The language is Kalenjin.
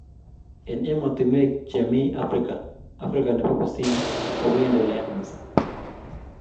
en emotinwek chemii Afika Afrika nebo kusini kokiendelean misiing